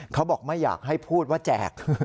เขาบอกไม่อยากให้พูดว่าแจก